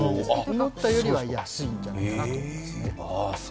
思ったよりは安いんじゃないかなと思います。